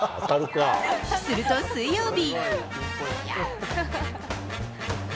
すると水曜日。